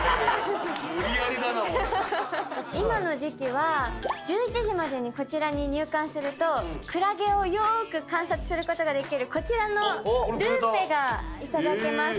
今の時期は１１時までにこちらに入館するとクラゲをよく観察することができるこちらのルーペが頂けます。